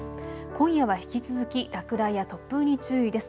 今夜は引き続き落雷や突風に注意です。